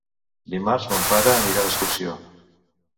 Dimarts mon pare anirà d'excursió.